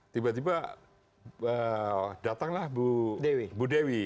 tiba tiba datanglah bu dewi